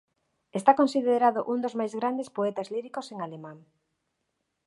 Está considerado un dos máis grandes poetas líricos en alemán.